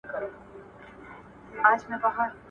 افغانستان د نړیوالو اړیکو پراختیا ته لومړیتوب نه ورکوي.